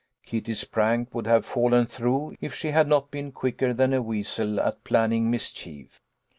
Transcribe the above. Kitty's prank would have fallen through, if she had not been quicker than a weasel at planning mischief.